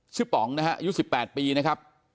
ป๋องนะฮะอายุ๑๘ปีนะครับ